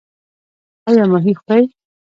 ایا ماهي خورئ؟